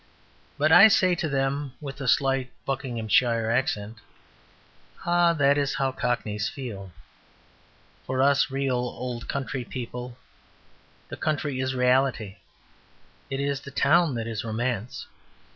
But I say to them (with a slight Buckinghamshire accent), "Ah, that is how Cockneys feel. For us real old country people the country is reality; it is the town that is romance.